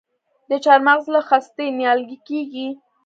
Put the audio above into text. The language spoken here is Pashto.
د چهارمغز له خستې نیالګی کیږي؟